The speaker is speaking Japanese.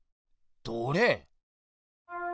どれ？